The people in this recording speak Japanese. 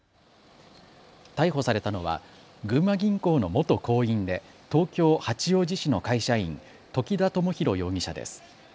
逮捕されたのは群馬銀行の元行員で東京八王子市の会社員、時田知寛容疑者です。